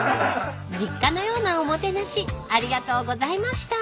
［実家のようなおもてなしありがとうございました］